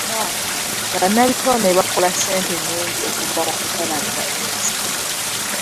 Bannabitone bakola ssente nnyingi okuva mu kutalaaga ensi.